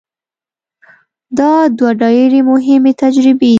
دا دوه ډېرې مهمې تجربې دي.